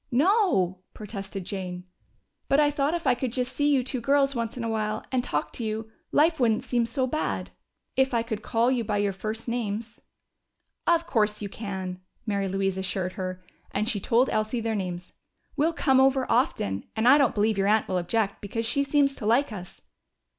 "No!" protested Jane. "But I thought if I could just see you two girls once in a while and talk to you, life wouldn't seem so bad. If I could call you by your first names " "Of course you can," Mary Louise assured her, and she told Elsie their names. "We'll come over often. And I don't believe your aunt will object, because she seems to like us."